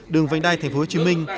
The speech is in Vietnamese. đường vành đai thành phố hồ chí minh